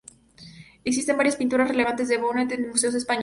Existen varias pinturas relevantes de Vouet en museos españoles.